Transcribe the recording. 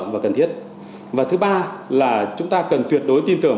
và thứ ba là chúng ta cần tuyệt đối tin tưởng